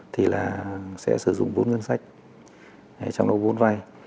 thì là sẽ sử dụng vốn ngân sách trong đó vốn vay